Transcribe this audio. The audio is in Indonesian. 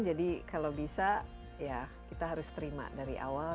jadi kalau bisa ya kita harus terima dari awal